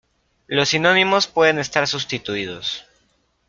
Los sinónimos pueden estar sustituidos.